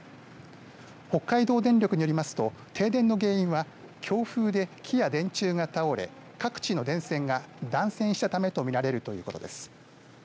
北海道電力によりますと停電の原因は強風で木や電柱が倒れ各地の電線が断線したためとみられるということです。